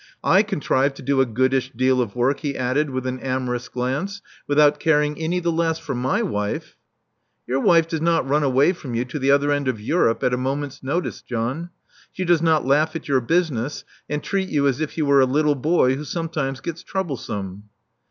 "/ contrive to do a goodish deal of work," he added with an amorous glance, "without caring any the less for my wife. *' "Your wife does not run away from you to the other end of Europe at a moment's notice, John. She does not laugh at your business, and treat you as if you were a little boy who sometimes gets troublesome."